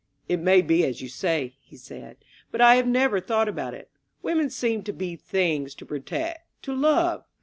It may be as you say," he said ; "but I have never thought about it. Women seem to me to be things to protect, to love.